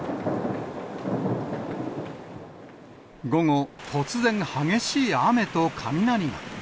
午後、突然激しい雨と雷が。